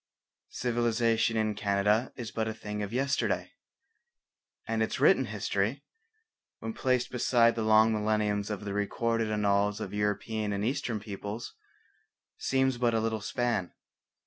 Civilization in Canada is but a thing of yesterday, and its written history, when placed beside the long millenniums of the recorded annals of European and Eastern peoples, seems but a little span.